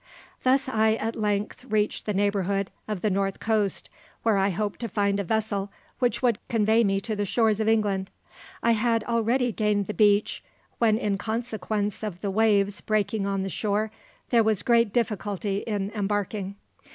Thus I at length reached the neighbourhood of the north coast, where I hoped to find a vessel which would convey me to the shores of England. I had already gained the beach, when in consequence of the waves breaking on the shore, there was great difficulty in embarking.